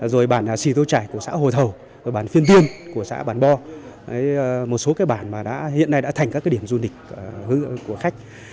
rồi bản sì tô trải của xã hồ thầu bản phiên tiên của xã bản bo một số bản hiện nay đã thành các điểm du lịch của khách